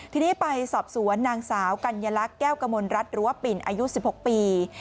ทีนี้ไปสอบสวนนางสาวกัญลักษณ์แก้วกมลรัฐหรือว่าปิ่นอายุ๑๖ปี